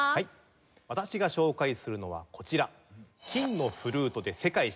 私が紹介するのはこちら。